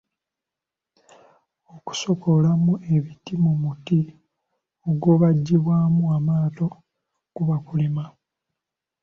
Okusokoolamu ebiti mu muti ogubajjibwamu amaato kuba kulima